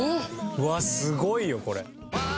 うわっすごいよこれ。